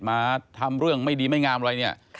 มาทำเรื่องไม่ดีไม่งามอะไรเนี่ย